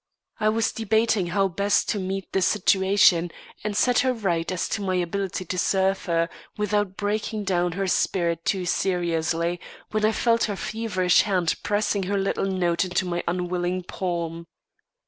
I was debating how best to meet the situation and set her right as to my ability to serve her, without breaking down her spirit too seriously, when I felt her feverish hand pressing her little note into my unwilling palm.